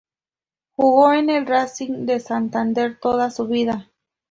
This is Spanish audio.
Jugó en el Racing de Santander toda su vida.